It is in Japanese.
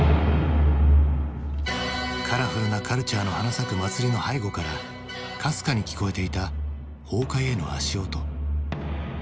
カラフルなカルチャーの花咲く祭りの背後からかすかに聞こえていた崩壊への足音。